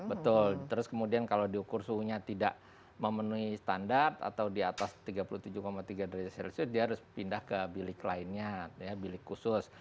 betul terus kemudian kalau diukur suhunya tidak memenuhi standar atau di atas tiga puluh tujuh tiga derajat celcius dia harus pindah ke bilik lainnya bilik khusus